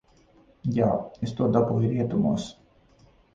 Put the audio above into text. Jā, es to dabūju rietumos.